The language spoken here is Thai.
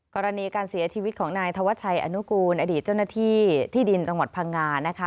กรณีการเสียชีวิตของนายธวัชชัยอนุกูลอดีตเจ้าหน้าที่ที่ดินจังหวัดพังงานะคะ